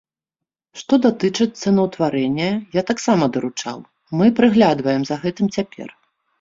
Што датычыць цэнаўтварэння, я таксама даручыў, мы прыглядваем за гэтым цяпер.